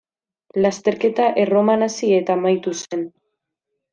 Lasterketa Erroman hasi eta amaitu zen.